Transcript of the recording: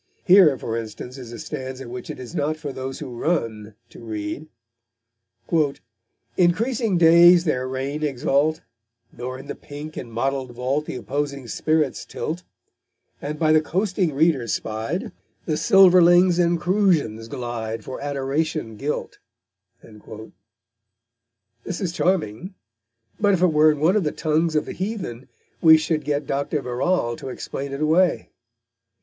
Here, for instance, is a stanza which it is not for those who run to read: _Increasing days their reign exalt, Nor in the pink and mottled vault The opposing spirits tilt; And, by the coasting reader spy'd, The silverlings and crusions glide For Adoration gilt_. This is charming; but if it were in one of the tongues of the heathen we should get Dr. Verrall to explain it away.